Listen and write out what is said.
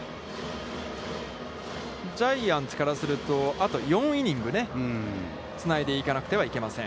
ジャイアンツからすると、あと４イニングスつないでいかなくてはいけません。